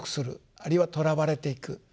あるいはとらわれていく。